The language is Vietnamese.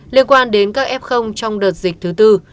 liên quan đến các f trong đợt dịch thứ tư